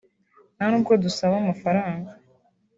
[…] nta nubwo dusaba amafaranga